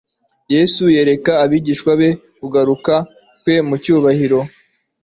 Yesu yereka abigishwa be kugaruka kwe mu cyubahiro,